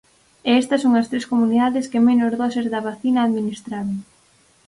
E estas son as tres comunidades que menos doses da vacina administraron.